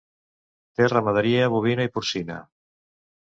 Té ramaderia bovina i porcina.